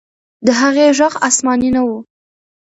د هغې ږغ آسماني نه و.